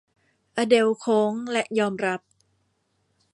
อเดลล์โค้งและยอมรับ